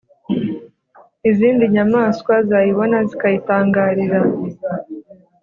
izindi nyamaswa zayibona zikayitangarira,